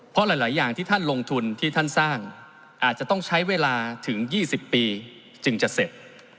เพราะหลายอย่างที่ท่านลงทุนที่ท่านสร้างอาจจะต้องใช้เวลาถึง๒๐ปีจึงจะเสร็จ